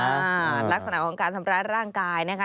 ลักษณะของการทำร้ายร่างกายนะคะ